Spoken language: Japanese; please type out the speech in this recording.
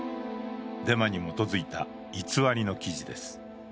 デマに基づいた偽りの記事です。